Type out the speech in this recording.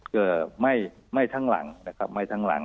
เกิดไหม้ทั้งหลังนะครับไหม้ทั้งหลัง